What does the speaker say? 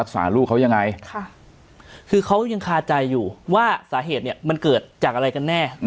คือเขายังคาใจอยู่ว่าสาเหตุเกิดจากอะไรกันแน่